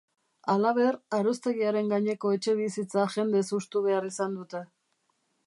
Halaber, aroztegiaren gaineko etxebizitza jendez hustu behar izan dute.